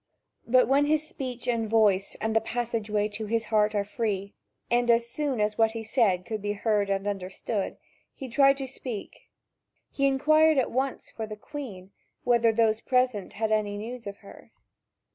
But when his speech and voice and the passageway to his heart are free, and as soon, as what he said could be heard and understood, he tried to speak he inquired at once for the Queen, whether those present had any news of her.